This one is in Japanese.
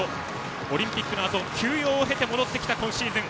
オリンピックのあと、休養を経て戻ってきた今シーズン。